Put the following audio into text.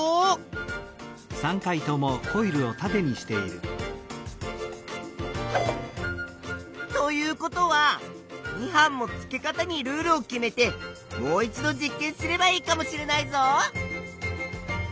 おお！ということは２班も付け方にルールを決めてもう一度実験すればいいかもしれないぞ！